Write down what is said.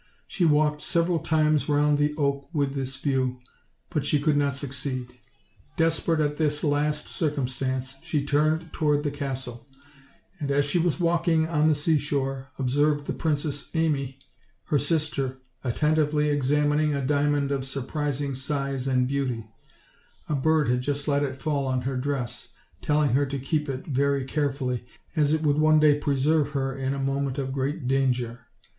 She walked several times round the oak with this view, but she could not succeed. Desperate at this last circumstance, she turned toward the castle: and, as she was walking on the ^seashore, ob served the Princess Amy, her sister, attentively examin ing a diamond of surprising size and beauty a bird had just let it fall on her dress, telling her to keep it very carefully, as it would one day preserve her in a moment of great danger.